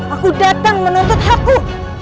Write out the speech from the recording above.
aku datang menuntut hakku